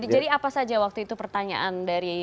jadi apa saja waktu itu pertanyaan dari msi